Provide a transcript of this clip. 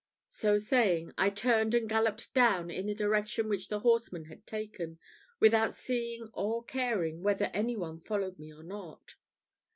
So saying, I turned and galloped down in the direction which the horseman had taken, without seeing or caring whether any one followed me or not.